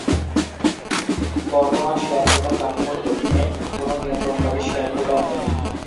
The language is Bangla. বর্তমান শেয়ারহোল্ডার কাঠামোর অধীনে কোনো নিয়ন্ত্রণকারী শেয়ারহোল্ডার নেই।